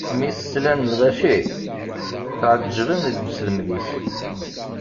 Mi s-slan lɣaci, tɛeǧǧben deg uselmed-is.